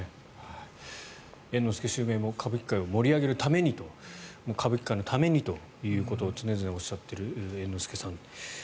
猿之助襲名も歌舞伎界を盛り上げるためにと歌舞伎界のためにということを常々おっしゃっている猿之助さん。